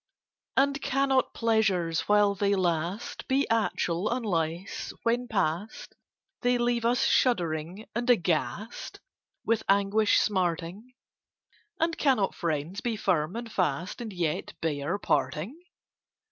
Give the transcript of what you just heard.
] And cannot pleasures, while they last, Be actual unless, when past, They leave us shuddering and aghast, With anguish smarting? And cannot friends be firm and fast, And yet bear parting?